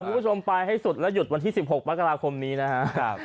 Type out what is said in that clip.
คุณผู้ชมไปให้สุดและหยุดวันที่๑๖มกราคมนี้นะครับ